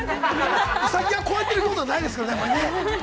ウサギがこうやってることはないですけどね。